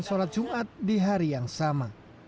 sholat jumat di hari yang sama